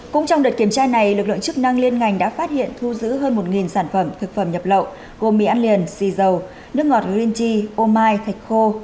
cũng trong đợt kiểm tra này lực lượng chức năng liên ngành đã phát hiện thu giữ hơn một sản phẩm thực phẩm nhập lậu gồm mì ăn liền xì dầu nước ngọt greendy ô mai thạch khô